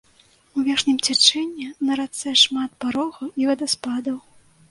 У верхнім цячэнні на рацэ шмат парогаў і вадаспадаў.